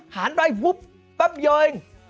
หันไปปุ๊บปั๊บเยง